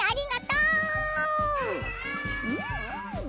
うんうん。